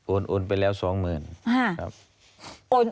โอนไปแล้วสองหมื่น